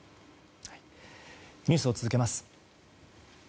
ニュースを続けます。